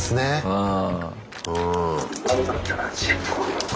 うん。